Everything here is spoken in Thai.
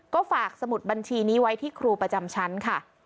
ก็ฝากสมุดบัญชีนี้ไว้ที่ครูประจำชั้นค่ะ